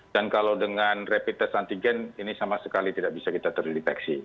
dan kalau dengan rapid test antigen ini sama sekali tidak bisa kita terdeteksi